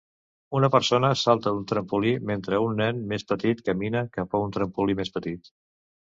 Una persona salta d'un trampolí mentre un nen més petit camina cap a un trampolí més petit.